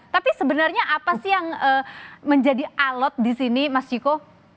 tapi sebenarnya apa sih yang menjadi alot di sini mas ciko